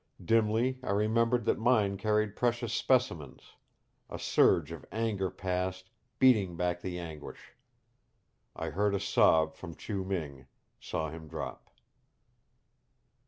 Dimly I remembered that mine carried precious specimens; a surge of anger passed, beating back the anguish. I heard a sob from Chiu Ming, saw him drop.